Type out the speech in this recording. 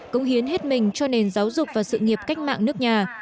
công hiến hết mình cho nền giáo dục và sự nghiệp cách mạng nước nhà